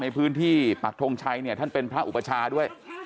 ในพื้นที่ปักทงชัยเนี่ยท่านเป็นพระอุปชาด้วย